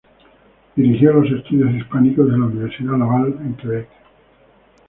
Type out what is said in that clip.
Dirigió los estudios hispánicos de la Universidad Laval, en Quebec.